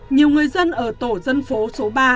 nhiều người dân ở tổ dân phố số ba